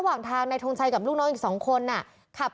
เพราะถูกทำร้ายเหมือนการบาดเจ็บเนื้อตัวมีแผลถลอก